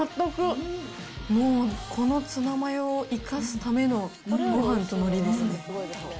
もう、このツナマヨを生かすためのごはんとのりですね。